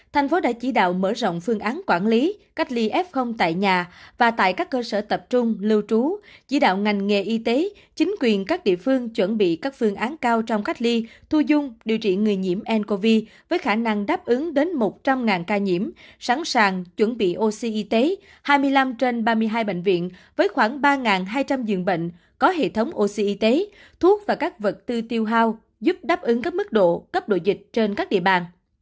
thành phố đã chỉ đạo mở rộng phương án quản lý cách ly f tại nhà và tại các cơ sở tập trung lưu trú chỉ đạo ngành nghề y tế chính quyền các địa phương chuẩn bị các phương án cao trong cách ly thu dung điều trị người nhiễm ncov với khả năng đáp ứng đến một trăm linh ca nhiễm sẵn sàng chuẩn bị oxy y tế hai mươi năm trên ba mươi hai bệnh viện với khoảng ba hai trăm linh dường bệnh có hệ thống oxy y tế thuốc và các vật tư tiêu hao giúp đáp ứng các mức độ cấp độ dịch trên các địa bàn